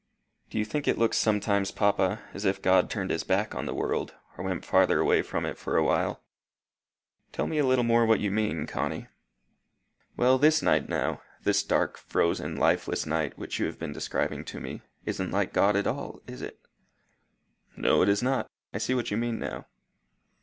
"Don't you think it looks sometimes, papa, as if God turned his back on the world, or went farther away from it for a while?" "Tell me a little more what you mean, Connie." "Well, this night now, this dark, frozen, lifeless night, which you have been describing to me, isn't like God at all is it?" "No, it is not. I see what you mean now."